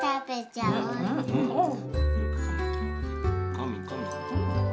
かみかみ。